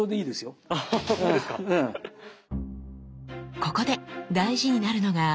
ここで大事になるのが心の中。